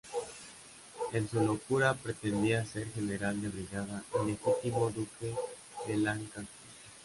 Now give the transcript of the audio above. En su locura pretendía ser general de brigada y legítimo duque de Lancaster.